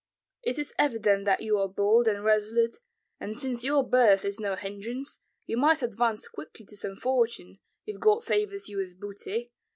It is evident that you are bold and resolute, and since your birth is no hindrance, you might advance quickly to some fortune, if God favors you with booty.